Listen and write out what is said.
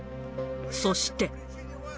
そして。